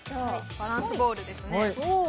バランスボールですね